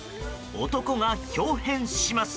男が豹変します。